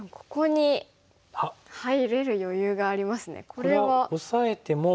これはオサえても。